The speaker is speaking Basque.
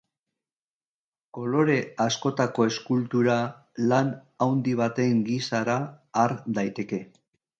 Kolore askotako eskultura lan handi baten gisara har daiteke.